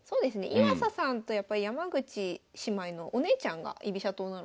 岩佐さんと山口姉妹のお姉ちゃんが居飛車党なので。